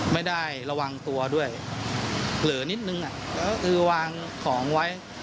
ไม่ได้ระวังตัวด้วยเผลอนิดนึงก็คือวางของไว้